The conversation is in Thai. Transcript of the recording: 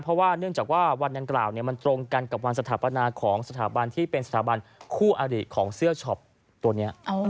เพราะว่าเนื่องจากว่าวันดังกล่าวมันตรงกันกับวันสถาปนาของสถาบันที่เป็นสถาบันคู่อริของเสื้อช็อปตัวนี้